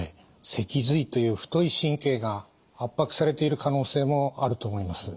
脊髄という太い神経が圧迫されている可能性もあると思います。